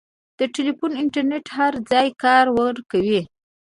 د ټیلیفون انټرنېټ هر ځای کار ورکوي.